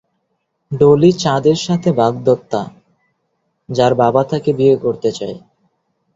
Dolly Chad এর সাথে বাগ্দত্তা, যার বাবা তাকে বিয়ে করতে চায়।